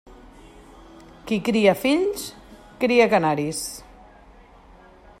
Qui cria fills, cria canaris.